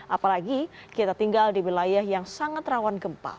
apalagi kita tinggal di wilayah yang sangat rawan gempa